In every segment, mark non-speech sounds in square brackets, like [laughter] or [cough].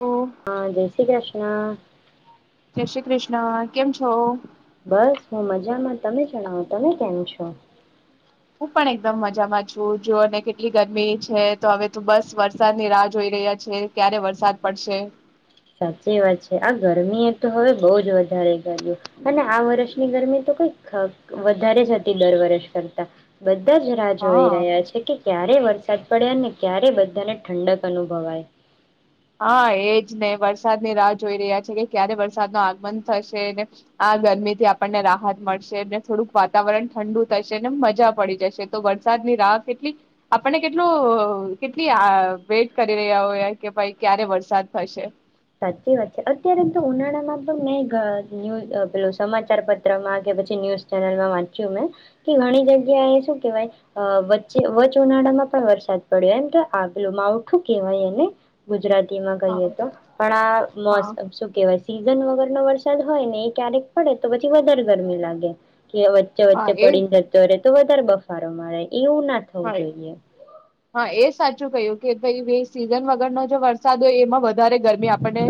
જય હા, જય શ્રી કૃષ્ણ. જય શ્રી કૃષ્ણ, કેમ છો. બસ હું મજામાં તમે જણાવો તમે કેમ છો. હું પણ એકદમ મજામાં છું જોઓને કેટલી ગરમી છે તો હવે તો બસ વરસાદની રાહ જોઈ રહ્યા છે, ક્યારે વરસાદ પડશે. સાચી વાત છે આ ગરમી એ તો હવે બઉ જ વધારે કર્યુ અને આ વર્ષની ગરમી તો કઈ ખ વધારે જ હતી દર વર્ષ કરતા બ ધા જ રાહ હા જોઈ રહ્યા છે કે ક્યારે વર્ષા સાદ પડે ને ક્યારે બધાને ઠંડક અનુભવાય. હા એજ ને વરસાદની રાહ જોઈ રહ્યા છે કે ક્યારે વરસાદ નું આગમન થશે ને આ ગરમી થી આપણને રાહત મળશે ને થોડુંક વાતાવરણ ઠંડુ થશે ને મજા પડી જશે તો વરસાદની રાહ કેટલી આપણને કેટલું અ કેટલી વેટ કરી રહ્યા હોય કે ભાઈ ક્યારે વરસાદ થશે. સાચી વાત છે અત્યારે તો ઉનાળામાં પણ મેં ન્યૂ પેલું સમાચાર પત્રમાં કે પછી ન્યુઝ ચેનલમાં વાંચ્યું મેં કે ઘણી જગ્યા એ શું કેહવાય વચ્ચે વચ ઉનાળામાં પણ વરસાદ પડ્યો એમ તો આ પેલું માવઠું કેહવાય અને ગુજરાત તીમાં કઈએ હા તો પણ આ હા મોસ આ શું કેવાય છે સી સીઝન વગરનો વરસાદ હોય ને એ ક્યારેક પડે તો પછી વધારે ગરમી લાગે. કે વચ્ચે વચ્ચે હા એ પડીને જતો રે. તો વધારે બફારો મારે. એવું ના થવું હા જોઈએ. હા એ સાચું ક્યું કે ભઈ સીઝન વગરનો જો વરસાદ હોય એમાં વ વધારે ગરમી આપણને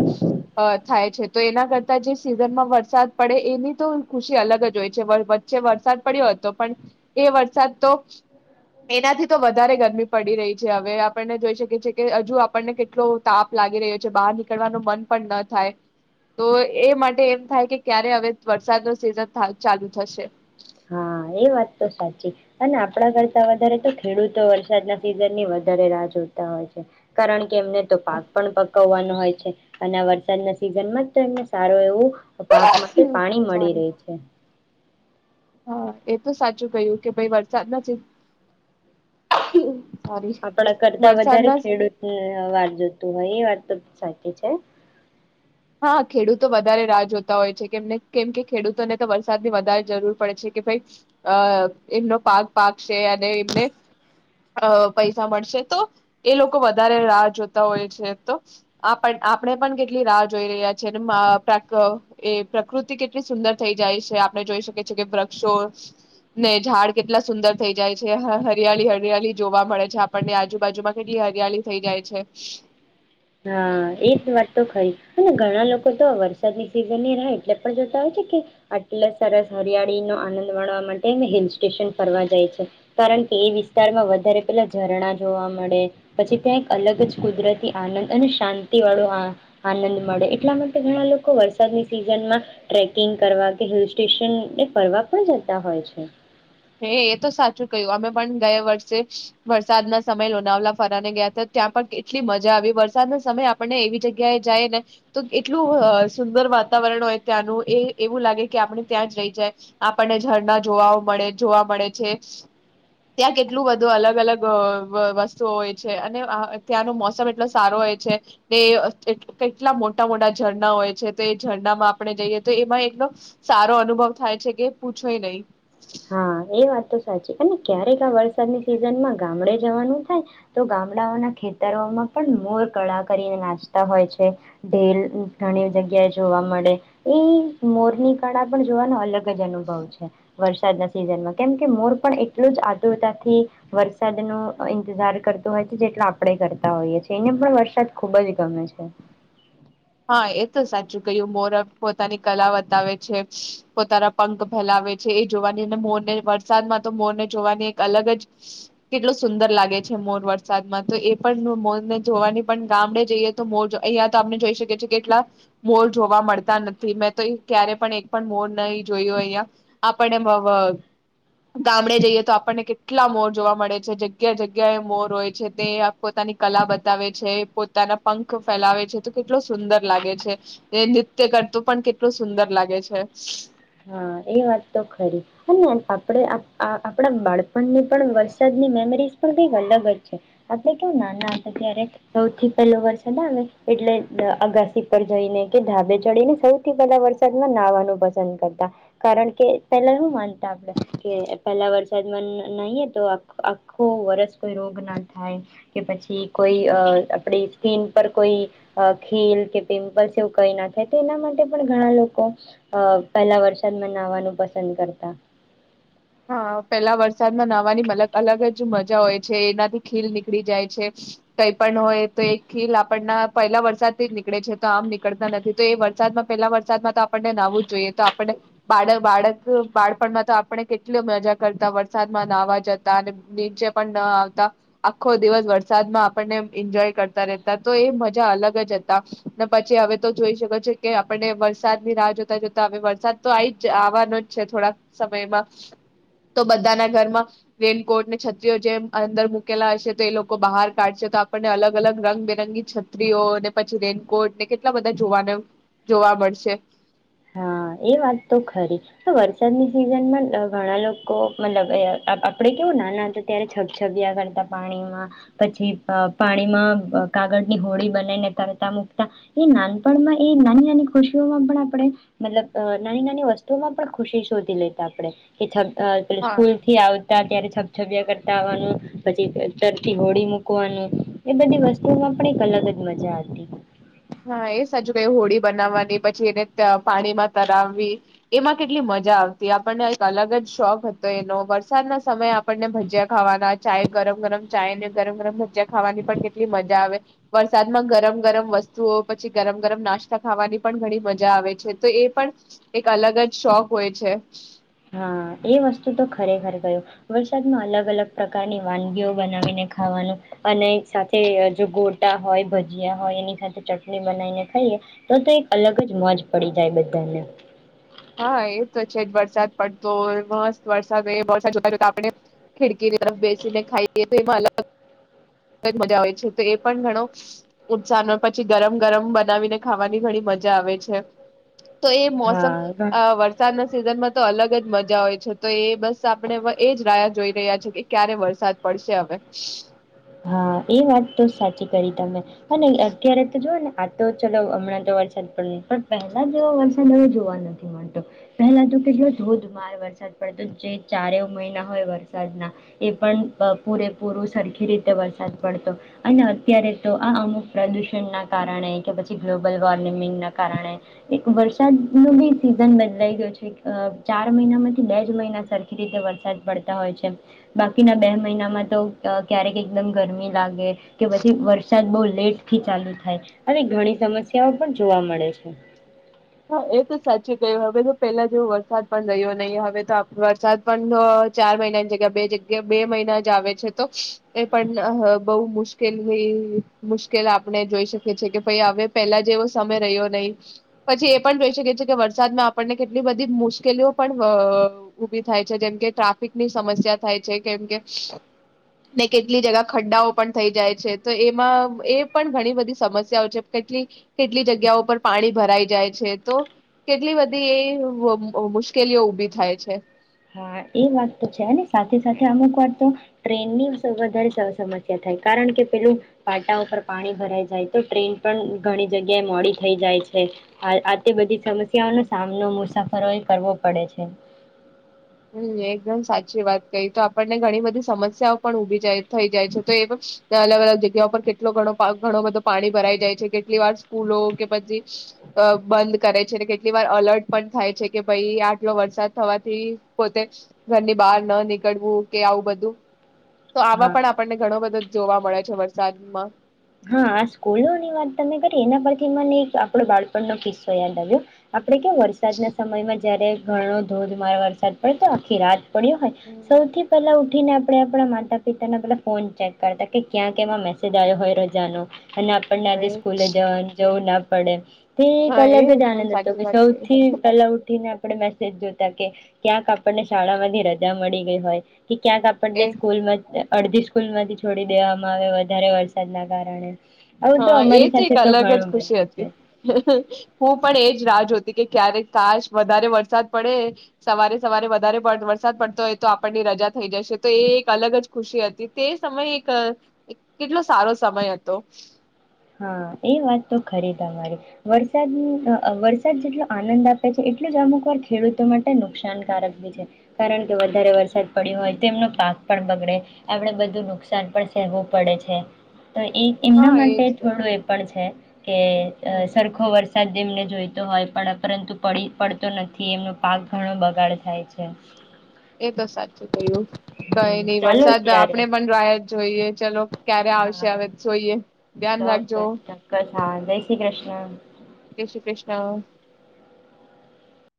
અ થાય છે તો એના કરતા જે સીઝનમાં વરસાદ પડે એની તો ખુશી અલગ જ હોય છે વચ્ચે વરસાદ પડ્યો હતો પણ એ વરસાદ તો એનાથી તો વધારે ગરમી પડી રહી છે હવે આપણને જોઈ શકીએ છેએ કે હજુ આપણને કેટલો તાપ લાગી રહ્યો છે બહાર નીકળવાનું મન પણ ન થાય, તો એ માટે એમ થાય કે ક્યારે હવે વરસાદ ન સિઝન ચાલુ થશે. હા એ વાત તો સાચી અને આપણા કરતા વધારે તો ખેડૂતો વરસાદના સિઝન ની વધારે રાહ જોતા હોય છે, કારણ કે એમને તો પાક પણ પકવવાનો હોય. છે અને વરસાદના સિઝન માં જ એમને સારો એવું પાક માટે પાણી મળી સોરી રહી છે. હા એ તો સાચું કયું કે ભાઈ વરસાદના સિ સોરી આપડા કરતા વધારે વરસાદના ખેડૂતને વાર જોતું. હા એ વાત તો સાચી છે. હા ખેડૂતો વધારે રાહ જોતા હોય છે કેમને કેમ કે ખેડૂતોને તો વરસાદની વધારે જરૂર પડે છે કે ભઈ અ એમનો પાક પાકશે અને એમને પૈસા મળશે તો એ લોકો વધારે રાહ જોતા હોય છે, તો આપણે પણ કેટલી રાહ જોઈ રહ્યા છે ને મા પ્ર એ પ્રકૃતિ કેટલી સુંદર થઈ જાય છે આપણે જોઈ શકીએ છીએ કે વૃક્ષો ને ઝાડ કેટલા સુંદર થઈ જાય છે હરિયાળી-હરિયાળી જોવા મળે છે આપણને આજુબાજુમાં કેટલી હરિયાળી થઈ જાય છે. હા એ જ વાત તો ખરી અને ઘણા લોકો તો વરસાદની સિઝનની રહે એટલે પણ જોતા હોય છે કે આટલા સરસ હરિયાળી નો આનંદ માણવા માટે હિલ સ્ટેશન ફરવા જાય છે કારણ કે એ વિસ્તારમાં વધારે પેલા ઝરણા જોવા મળે પછી ત્યાં એક અલગ જ કુદરતી આનંદ અને શાંતિ વાળો આનંદ મળે એટલા માટે ઘણા લોકો વરસાદની સિઝનમાં ટ્રેકિંગ કરવા કે હિલ સ્ટેશન એ ફરવા પણ જતા હોય છે હે એ તો સાચું કહ્યું અમે પણ ગયા વર્ષે વરસાદના સમય લોનાવલા ફરાને ગયા હતા ત્યાં પણ કેટલી મજા આવી વરસાદના સમય આપણને એવી જગ્યાએ જાય ને તો કેટલું સુંદર વાતાવરણ હોય ત્યાંનું એ એવું લાગે કે આપણે ત્યાં જ રહી જાય આપણને ઝરણા જોવાઓ મળે જોવા મળે છે ત્યાં કેટલું બધું અલગ અલગ વસ્તુઓ હોય છે અને અ ત્યાંનો મોસમ એટલો સારો હોય છે ને કેટલા મોટા મોટા ઝરણા હોય છે તો એ ઝરણામાં આપણે જઈએ તો એમાં એટલો સારો અનુભવ થાય છે કે પૂછો ઈ નહીં. હા એ વાત તો સાચી અને ક્યારેક આ વરસાદની સિઝનમાં ગામડે જવાનું થાય તો ગામડાઓના ખેતરોમાં પણ મોર કળા કરીને નાચતા હોય છે ઢેલ ઘણી જગ્યાએ જોવા મળે ઈ મોર ની કળા પણ જોવાનો અલગ જ અનુભવ છે વરસાદના સીઝનમાં કેમ કે મોર પણ એટલું જ આતુરતાથી વરસાદ નું અ ઈંતજાર કરતું હોય છે જેટલો આપણે કરતા હોઈએ છીએ એને પણ વરસાદ ખુબ જ ગમે છે. હા એ તો સાચું કહ્યું મોર પોતાની કલા બતાવે છે પોતાના પંખ ફેલાવે છે એ જોવાની અને મોરને વરસાદમાં તો મોરને જોવાની એક અલગ જ કેટલો સુંદર લાગે છે મોર વરસાદમાં તો એ પણ મોરને જોવાની પણ ગામડે જઈએ તો મોર જો અહીયા તો આપણે જોઈ શકીએ એ છે કેટલા મોર જોવા મળતા નથી મેં તો ક્યારે પણ એક પણ મોર નહી જોયું અહિયા આપણને ગામડે જઈએ તો આપણને કેટલા મોર જોવા મળે છે જગ્યા જગ્યા એ મોર હોય છે તે પોતાની કલા બતાવે છે પોતાના પંખ ફેલાવે છે તો કેટલો સુંદર લાગે છે એ નૃત્ય કરતું પણ કેટલું સુંદર લાગે છે. હા એ વાત તો ખરી અને આપણે આપણા બાળપણની પણ વરસાદની મેમરીઝ પણ કઈક અલગ જ છે આપણે કેમ નાના હતા ત્યારે સૌથી પહેલો વરસાદ આવે એટલે અગાસી પર જઈને કે ધાબે ચડીને સૌથી પહેલા વરસાદમાં નાહવાનું પસંદ કરતા કારણ કે પેલા શું માનતા આપડે કે પહેલા વરસાદમાં નાઈ નાહીએ તો આખો વરસ કોઈ રોગ ના થાય કે પછી કોઈ અ આપડી સ્કીિન પર કોઈ ખીલ કે પિમ્પલ્સ એવું કઈ ના થાય તો એના માટે પણ ઘણા લોકો અ પેલા વરસાદ સાદમાં નાવાનું પસંદ કરતા હા પેલા વરસાદમાં નાહવાની મલગ અલગ જ મજા હોય છે એનાથી ખીલ નીકળી જાય છે કઈ પણ હોય તો એ ખીલ આપણના પહેલા વરસાદથી જ નીકળે છે તો આમ નીકળતા નથી તો એ વરસાદમાં પેલા વરસાદમાં તો આપણને નાહવું જ જોઈએ તો આપણને બાળ બાળક બાળપણમાં તો આપણે કેટલી મજા કરતા વરસાદમાં નાવા જતા અને નીચે પણ ન આવતા આખો દિવસ વરસાદમાં આપણને એન્જોય કરતા રહેતા તો એ મજા અલગ જ હતા અને પછી હવે તો જોઈ શકો છો કે આપણને વરસાદની રાહ જોતા જોતા હવે વરસાદ તો આ ઈ જ આવવાનો જ છે થોડાક સમયમાં તો બધાના ઘરમાં રેનકોટને છત્રીઓ જેમ અંદર મુકેલા હશે તો એ લોકો બહાર કાઢશે તો આપણને અલગ અલગ રંગબેરંગી છત્રીઓ ને પછી રેનકોટ ને કેટલા બધા જોવાના જોવા મળશે હા એ વાત તો ખરી તો વરસાદની સિઝનમાં ઘણા લોકો મતલબ એ આ-આપણેે કેવું નાના હતા ત્યારે છબછબીયા કરતા પાણીમાં પછી અ પાણીમાં કાગળની હોડી બનાઈને તરતા મુકતા એ નાનપણમાં એ નાની નાની ખુશીઓમાં પણ આપણે મતલબ નાની નાની વસ્તુઓમાં પણ ખુશી શોધી લેતા આપડે કે જ અ તે હા સ્કૂલ થી આવતા તા ત્યારે છબછબિયા કરતા આવવાનું પછી તરતી હોળી મૂકવાનું એ બધી વસ્તુમાં પણ એક અલગ જ મજા હતી હા એ સાચું કહ્યુ હોડી બનાવવાની પછી એને ત્યાં પાણીમાં તરાવવી એમાં કેટલી મજા આવતી આપણને અલગ જ શોખ હતો એનો વરસાદના સમયે આપ આપણને ભજીયા ખાવાના ચાય ગરમ ગરમ ચાય ને ગરમ ગરમ ભજિયા ખાવાની પણ કેટલી મજા આવે વરસાદમાં ગરમ ગરમ વસ્તુ પછી ગરમ ગરમ નાસ્તા ખાવાની પણ ઘણી મજા આવે છે તો એ પણ એક અલગ જ શોખ હોય છે. હા એ વસ્તુ તો ખરેખર ગયું વરસાદમાં અલગ અલગ પ્રકારની વાનગીઓ બનાવીને ખાવાનું અને સાથે જો ગોટા હોય ભજીયા હોય એની સાથે ચટણી બનાવીને ખાઈએ તો તો એક અલગ જ મોજ પડી જાય બધાને. હા એ તો છે જ વરસાદ પડતો મસ્ત વરસાદ વરદ જો આપણે ખિડકીની તરફ બેસીને ખાઈ તો એમાં અલગ મજા આવેય છે તો એ પણ ઘણો ઉત્સાહ હોય પછી ગરમ ગરમ બનાવીને ખાવાની ઘણી મજા આવે છે. તો એ મોસમ હા વરસાદના સિઝનમાં તો અલગ મજા હોય છે તો એ બસ આપણે એ જ રાહ જોઈ રહ્યા છે કે ક્યારે વરસાદ પડશે હવે. હા એ વાત તો સાચી કરી તમે અને અત્યારે તો જોઓ ને આ તો ચલો હમણાં તો વરસાદ પડે પણ પહેલા જેવો વરસાદ હ જોવા નથી મળતો પહેલા તો કે જો ધોધમાર વરસાદ પડતો જે ચારે મહિના હોય વરસાદના એ પણ પૂરેપૂરું સરખી રીતે વરસાદ પડતો અને અત્યારે તો આ અમુક પ્રદૂષણના કારણે કે પછી ગ્લોબલ વોર્મિમિંગ ના કારણે એક વર્ષ વરસાદ ન બી સીઝન બદલાઈ ગયું છે ચાર મહિનામાંથી બે જ મહિના સરખી રીતે વરસાદ પડતા હોય છે બાકીના બે મહિનામાં તો ક્યારેક એકદમ ગરમી લાગે કે પછી વરસાદ બહુ લેટ થી ચાલુ થાય આવી ઘણી સમસ્યાઓ પણ જોવા મળે છે. હા એ તો સાચી કય્યું હવે તો પેલા જેવો વરસાદ પણ રહ્યો નહીં હવે તો વરસાદ પણ ચાર મહિનાની જગ્યા બે જગ્યા બે મહિના જ આવે છે તો એ પણ બહુ મુશ્કેલ મુશ્કેલ આપણે જોઈ શકીએ છીએ કે ભાઈ હવે પેલા જેવો સમય રહ્યો નહી. પછી એ પણ જોઈ શકે છે કે વરસાદમાં આપણને કેટલી બધી મુશ્કેલીઓ પણ અ ઊભી થાય છે જેમ કે ટ્રાફિકની સમસ્યા થાય છે કેમ કે ને કેટલી જગા ખંડાઓ પણ થઈ જાય છે તો એમાં એ પણ ઘણી બધી સમસ્યાઓ છે કેટલી કેટલી જગ્યાઓ પર પાણી ભરાય જાય છે તો કેટલી બધી એ મુશ્કેલીઓ ઉભી થાય છે. હા એ વાત તો છે સાથે સાથે અમુક વાત તો ટ્રેન ની વધારે સમસ્યા થાય કારણ કે પેલું પાટા પર પાણી ભરાઈ જાય તો ટ્રેન પણ ઘણી જગ્યાએ મોડી થઈ જાય છે આ આ તે બધી સમસ્યાઓનો સામનો મુસાફરોએ કરવો પડે છે. હમ એકદમ સાચી વાત કઈ તો આપણને ઘણી બધી સમસ્યાઓ પણ ઉભી જાય થઈ જાય છે તો એ અલગ અલગ જગ્યા પર કેટલો ઘણો બધો પાણી ભરાઈ જાય છે કેટલી વાર સ્કૂલો કે પછી બંધ કરે છે કેટલી વાર અલર્ટ પણ થાય છે કે ભાઈ આટલો વરસાદ થવાથી પોતે ઘરની બહાર ન નીકળવું કે આવું બધું તો આવા હા પણ આપણને ઘણો બધો જોવા મળે છે વરસાદમાં હા આ સ્કૂલોની વાત તમે એના પરથી મને એક આપડો બાળપણ નો કિસ્સો યાદ આવ્યો. આપણે કે વરસાદના સમયમાં જ્યારે ઘણો ધોધમાર વરસાદ પડતો આખી રાત પડ્યું હોય, હમ, સૌથી પહેલા ઉને આપણે આપણા માતા પિતાના પેલા ફોન ચેક કરતા કે ક્યાં કેવા મેસેજ આવ્યો હોય રોજ જાનો. અને આપણને આધ સ્કૂલે જ જ ના પડે. તો એ હા અલગ જ એકદમ આનંદ હતો સાચી કે વાત કહી. સૌથી પેલા ઉઠીને આપ મેસેજ જોતા કે, ક્યાંક આપણને શાળામાંથી રજા મળી ગઈ હોય. કે ક્યાંક આપણને એ સ્કૂલ માં જ અડધી સ્કૂલ માંથી છોડી દેવામાં આવે વધારે વરસાદ ના કારણે. આવું હા એ અમારી તો એક સાથે અલગ જ ઘણું બન્યું ખુશી છે. હતી, હું પણ એજ રાહ જો કે ક્યારેક ખાશ વધારે વરસાદ પડે, સવારે સવારે વધારે વરસાદ પડતો હોય તો આપણની રજા થઈ જશે તો એ એક અલગ જ ખુશી હતી તે સમય એક કેટલો સારો સમય હતો. હા એ વાત તો ખરી તમારી, વરસાદ વરસાદ જેટલો આનંદ આપે છે એટલું જ અમુક વાર ખેડૂતો માટે નુકસાનકારક ભી છે, કારણ કે વધારે વરસાદ પડીયો હોય તો એમનો પાક પણ બગડે, આપડણે બધું નુકસાન પણ સહેવું પડે છે. તો એ એમના હા માટે એજ તો પણ છે. કે હમ સરખો વર્ષ એમને જોઈતો હોય પણ પરંતું પડી પડતો નથી એમનો પાક ઘણો બગાડ થાય છે. એ તો સાચું કયું હમ કઈ નઈ ચાલો વરસાદ આપણે ત્યારે પણ રાહ જોઈએ. ચલો ક્યારે હા આવશે હા હવે જોઈએ. ધ્યાન રાખજો ચોક્કસ ચોક્કસ. હા જય શ્રી કૃષ્ણ. [inaudible]